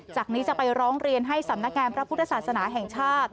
จากนี้จะไปร้องเรียนให้สำนักงานพระพุทธศาสนาแห่งชาติ